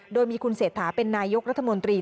โดยมีคุณจบงานเสถาที่เป็นนายกรัฐมนตรี